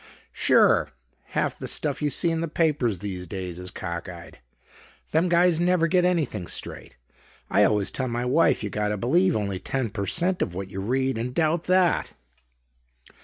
"Sure. Half the stuff you see in the papers these days is cockeyed. Them guys never get anything straight. I always tell my wife you gotta believe only ten per cent of what you read and doubt that."